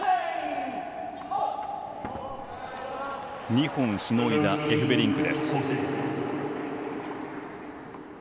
２本しのいだエフベリンク。